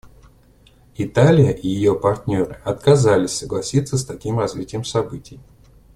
Италия и ее партнеры отказались согласиться с таким развитием событий.